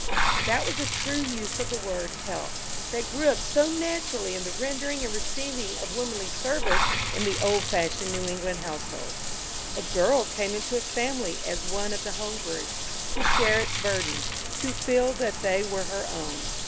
That was a true use of the word "help" that grew up so naturally in the rendering and receiving of womanly service in the old fashioned New England household. A girl came into a family as one of the home group, to share its burdens, to feel that they were her own.